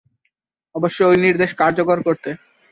অবশ্য ওই নির্দেশ কার্যকর করতে।